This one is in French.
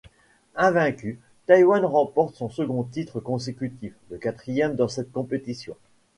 Invaincu, Taïwan remporte son second titre consécutif, le quatrième dans cette compétition.